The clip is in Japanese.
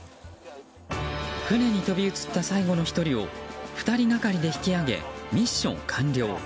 船に飛び移った最後の１人を２人がかりで引き上げミッション完了。